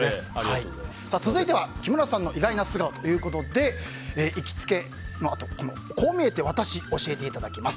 続いては木村さんの意外な素顔ということで行きつけのあとはこう見えてワタシを教えていただきます。